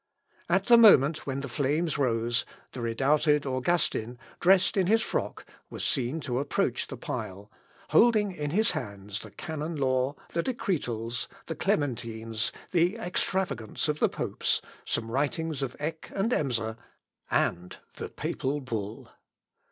At the moment when the flames rose, the redoubted Augustin, dressed in his frock, was seen to approach the pile, holding in his hands the Canon Law, the Decretals, the Clementines, the Extravagants of the popes, some writings of Eck and Emser, and the papal bull.